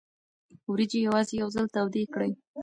وریجې یوازې یو ځل تودې کړئ.